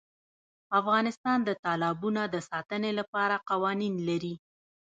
افغانستان د تالابونه د ساتنې لپاره قوانین لري.